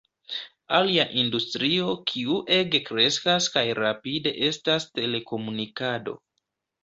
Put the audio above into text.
Alia industrio kiu ege kreskas kaj rapide estas telekomunikado.